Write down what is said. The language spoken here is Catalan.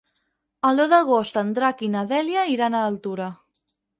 El deu d'agost en Drac i na Dèlia iran a Altura.